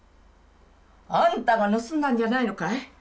あんたが盗んだんじゃないのかい？